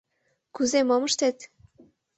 — Кузе «мом ыштет»?